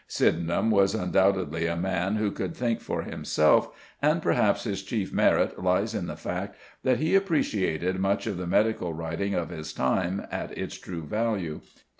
Sydenham was undoubtedly a man who could think for himself, and perhaps his chief merit lies in the fact that he appreciated much of the medical writing of his time at its true value.